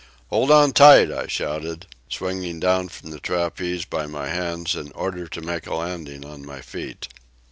"Hold on tight!" I shouted, swinging down from the trapeze by my hands in order to make a landing on my feet.